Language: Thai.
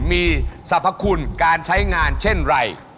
มีสรรพคุณการใช้งานเช่นไร